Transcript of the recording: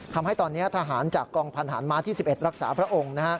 ทำให้ตอนนี้ทหารจากกองพันธานม้าที่๑๑รักษาพระองค์